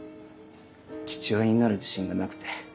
父親になる自信がなくて。